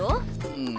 うん。